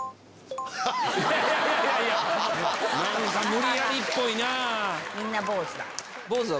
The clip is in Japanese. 無理やりっぽいな。